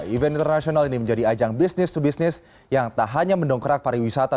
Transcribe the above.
event internasional ini menjadi ajang bisnis to bisnis yang tak hanya mendongkrak pariwisata